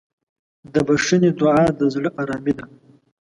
د بښنې دعا د زړه ارامي ده.